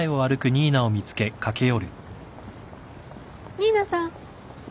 新名さん。